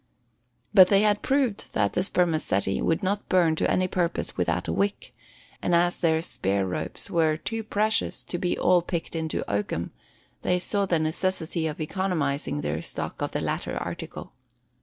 But they had proved that the spermaceti would not burn to any purpose without a wick; and as their spare ropes were too precious to be all picked into oakum, they saw the necessity of economising their stock of the latter article.